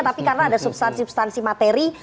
tapi karena ada substansi substansi materi